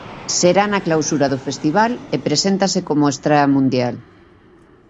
Será na clausura do festival e preséntase como estrea mundial.